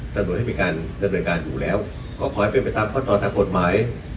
สนุนให้มีกันสนุนการอยู่แล้วก็ขอให้เป็นไปตามข้อตอดทางกฎหมาย